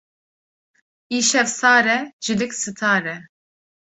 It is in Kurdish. Îşev sar e, cilik sitar e.